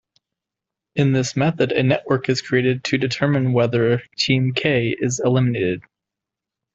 In this method a network is created to determine whether team "k" is eliminated.